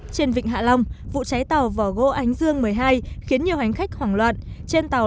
trên vịnh hạ long vụ cháy tàu vỏ gỗ ánh dương một mươi hai khiến nhiều hành khách hoảng loạn trên tàu